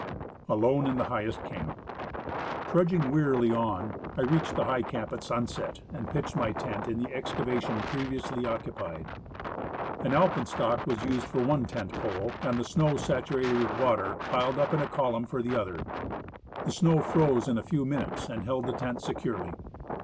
Alone in the highest Camp. Trudging wearily on, I reached the high camp at sunset, and pitched my tent in the excavation previously occupied. An alpenstock was used for one tent pole, and snow saturated with water, piled up in a column, for the other ; the snow froze in a few minutes, and held the tent securely.